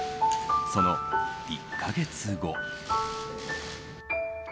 その１か月後。